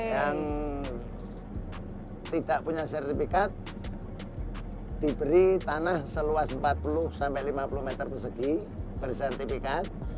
yang tidak punya sertifikat diberi tanah seluas empat puluh sampai lima puluh meter persegi bersertifikat